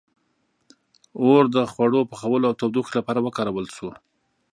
• اور د خوړو پخولو او تودوخې لپاره وکارول شو.